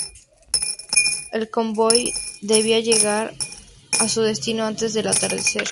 El convoy debía llegar a su destino antes del atardecer.